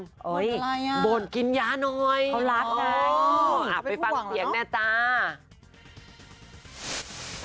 โบนอะไรน่ะโบนกินยาหน่อยเขารักน่ะอ๋อไปฟังเสียงหน้าตา